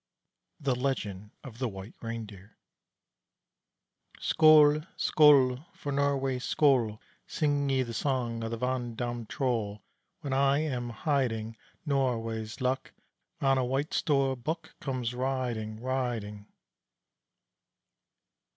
THE LEGEND OF THE WHITE REINDEER Skoal! Skoal! For Norway Skoal! Sing ye the song of the Vand dam troll. When I am hiding Norway's luck On a White Storbuk Comes riding, riding.